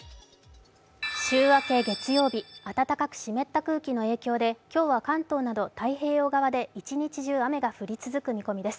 週明け月曜日、暖かく湿った空気の影響で今日は関東など太平洋側で一日中雨が降り続く見込みです。